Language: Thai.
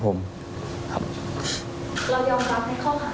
เรายอมรับให้เขาหายบ้างครับ